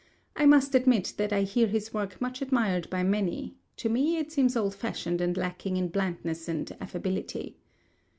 I must admit that I hear this work much admired by many; to me it seems old fashioned and lacking in blandness and affability.